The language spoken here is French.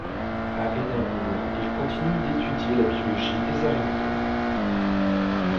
À Édimbourg, il continue d’étudier la biologie des arénicoles.